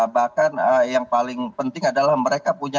bahkan yang paling penting adalah mereka punya